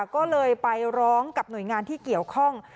ก็เลยไปร้องกับหน่วยงานที่เกี่ยวข้อง